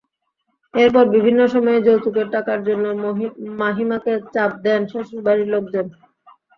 এরপর বিভিন্ন সময়ে যৌতুকের টাকার জন্য মাহিমাকে চাপ দেন শ্বশুরবাড়ির লোকজন।